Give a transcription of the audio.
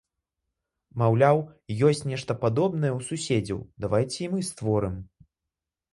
Маўляў, ёсць нешта падобнае ў суседзяў, давайце і мы створым!